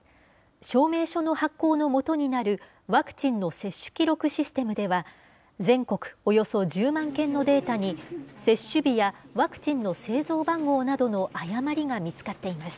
証明書の発行のもとになるワクチンの接種記録システムでは、全国およそ１０万件のデータに、接種日やワクチンの製造番号などの誤りが見つかっています。